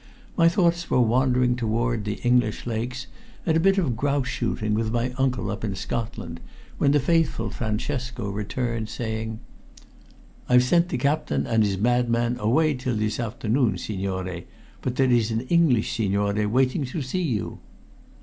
My thoughts were wandering toward the English lakes, and a bit of grouse shooting with my uncle up in Scotland, when the faithful Francesco re entered, saying "I've sent the captain and his madman away till this afternoon, signore. But there is an English signore waiting to see you."